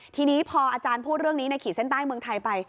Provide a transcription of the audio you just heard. ทีนี้พออาจารย์พูดเรื่องนี้ในขีดเส้นใต้เมืองไทยไป